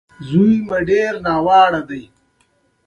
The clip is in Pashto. د کاناډا د هېواد جهیلونه زیاتره د کنګلونو تر عنوان لاندې دي.